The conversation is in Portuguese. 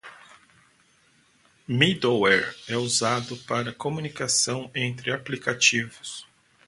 Middleware é usado para comunicação entre aplicativos.